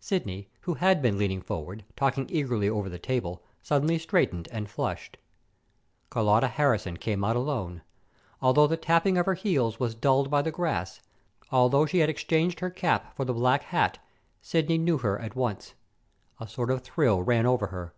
Sidney, who had been leaning forward, talking eagerly over the table, suddenly straightened and flushed. Carlotta Harrison came out alone. Although the tapping of her heels was dulled by the grass, although she had exchanged her cap for the black hat, Sidney knew her at once. A sort of thrill ran over her.